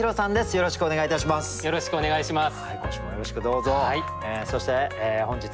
よろしくお願いします。